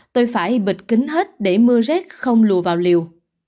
tôi phải bịt kính hết để mưa rét không lùa vào liều